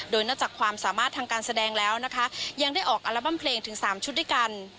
โดยนอกจากความสามารถทางการแสดงแล้วนะคะยังได้ออกอัลบั้มเพลงถึง๓ชุดด้วยกัน